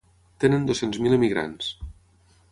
Tenen dos-cents mil emigrants.